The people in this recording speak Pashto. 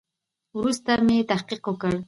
وروسته چې مې تحقیق وکړ.